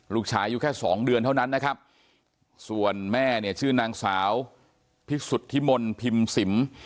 ลูกชายอยู่แค่สองเดือนเท่านั้นนะครับส่วนแม่เนี่ยชื่อนางสาวพิสุทธิมนต์พิมพ์สิม